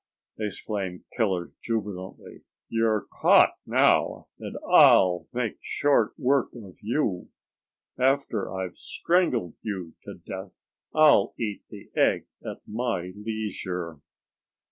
exclaimed Killer jubilantly. "You're caught now, and I'll make short work of you. After I've strangled you to death, I'll eat the egg at my leisure."